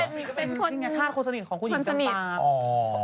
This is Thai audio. มีก็เป็นท่านควรสนิทของผู้หญิงสำตราบ